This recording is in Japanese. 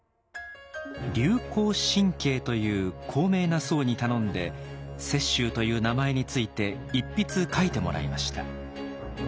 龍崗真圭という高名な僧に頼んで「雪舟」という名前について一筆書いてもらいました。